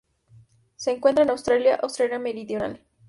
Se encuentra en Australia: Australia Meridional.